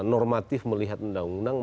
normatif melihat undang undang